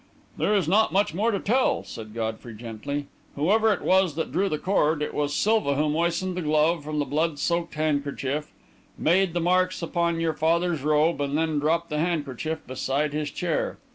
"There is not much more to tell," said Godfrey, gently. "Whoever it was that drew the cord, it was Silva who moistened the glove from the blood soaked handkerchief, made the marks upon your father's robe, and then dropped the handkerchief beside his chair.